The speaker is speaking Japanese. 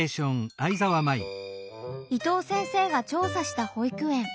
伊藤先生が調査した保育園。